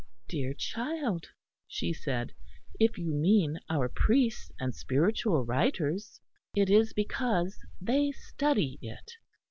"Dear child," she said, "if you mean our priests and spiritual writers, it is because they study it.